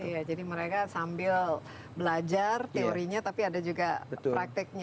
iya jadi mereka sambil belajar teorinya tapi ada juga prakteknya